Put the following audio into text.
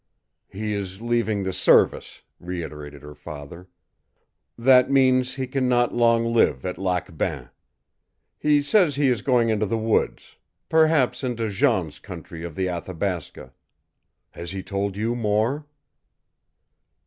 "He is leaving the service," reiterated her father. "That means he can not long live at Lac Bain. He says he is going into the woods, perhaps into Jean's country of the Athabasca. Has he told you more?"